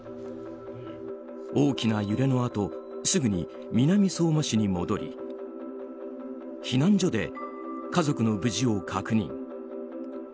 大きな揺れのあとすぐに南相馬市に戻り避難所で家族の無事を確認。